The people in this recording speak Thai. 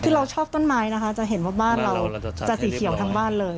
คือเราชอบต้นไม้นะคะจะเห็นว่าบ้านเราจะสีเขียวทั้งบ้านเลย